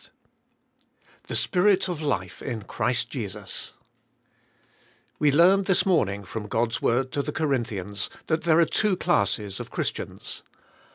IFK. tTbe Spirit of %ite in dbrist Jesus, We learned this morning from God's Word to the Corinthians that there are two classes of Christians.